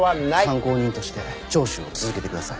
参考人として聴取を続けてください。